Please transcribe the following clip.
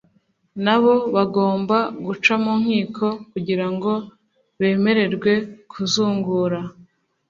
nabo bagomba guca mu nkiko kugira ngo bemererwe kuzungura